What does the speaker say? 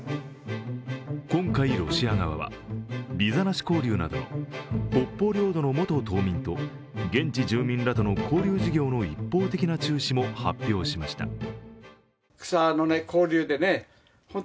今回、ロシア側はビザなし交流など北方領土の元島民と現地住民らとの交流事業の一方的な中止も発表しました。